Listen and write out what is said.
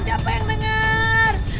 siapa yang dengar